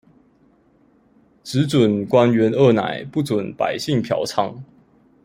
只準官員二奶，不準百姓嫖娼